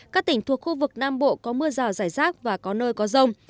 các tỉnh thuộc khu vực nam bộ có mưa rào rải rác và có nơi có rông